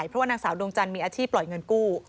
เพราะว่านางสาวดวงจันทร์มีอาชีพปล่อยเงินกู้